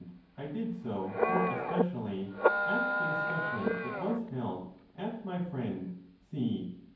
215 I did so more especially at the discussion that was held at my fiiend C.